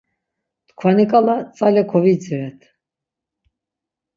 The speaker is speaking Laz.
Tkvani ǩala tzale kovidziret.